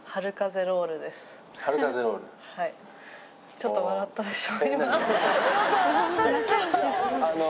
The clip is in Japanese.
ちょっと笑ったでしょ！